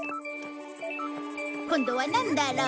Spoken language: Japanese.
今度はなんだろう？